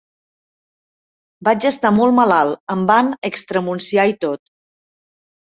Vaig estar molt malalt: em van extremunciar i tot.